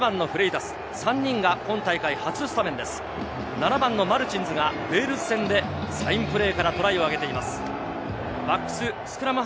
７番のマルチンズがウェールズ戦でサインプレーからトライを挙げています。